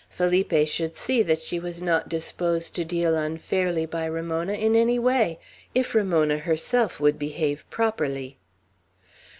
Felipe should see that she was not disposed to deal unfairly by Ramona in any way, if Ramona herself would behave properly.